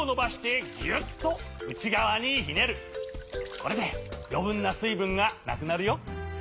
これでよぶんなすいぶんがなくなるよ。